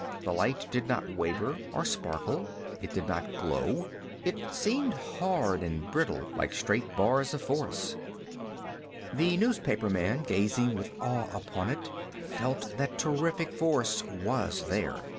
The light did not waver or sparkle. It did not glow. It seemed hard and brittle, like straight bars of force. The newspaperman, gazing with awe upon it, felt that terrific force was there.